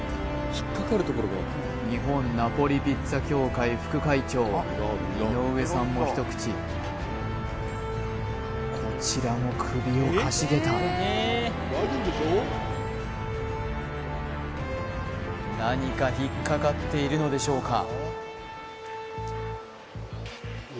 日本ナポリピッツァ協会副会長井上さんも一口こちらも首をかしげた何か引っかかっているのでしょうか？